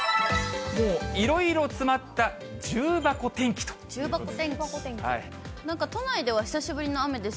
もういろいろ詰まった重箱天気ということです。